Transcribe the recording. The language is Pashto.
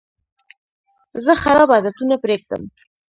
زه خراب عادتونه پرېږدم.